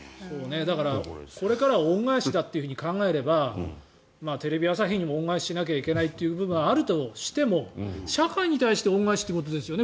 だから、これからは恩返しだと考えればテレビ朝日にも恩返ししなきゃいけないという部分があるとしても社会に対して恩返しということですよね。